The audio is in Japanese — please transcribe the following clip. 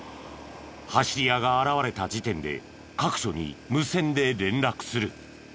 走り屋が現れた時点で各所に無線で連絡する。